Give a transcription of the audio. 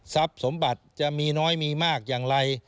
สมบัติจะมีน้อยมีมากอย่างไร